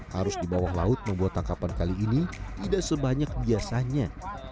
harus di bawah laut membuat tangkapan kali ini tidak sebanyak biasanya